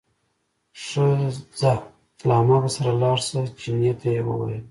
ښه ځه له هماغه سره لاړ شه، چیني ته یې وویل.